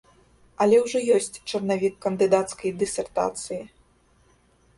Але ўжо ёсць чарнавік кандыдацкай дысертацыі.